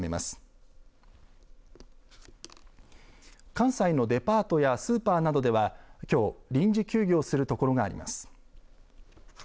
関西のデパートやスーパーなどではきょう、臨時休業するところがあります。